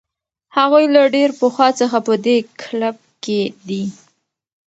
هغوی له ډېر پخوا څخه په دې کلب کې دي.